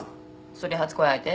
「それ初恋相手？」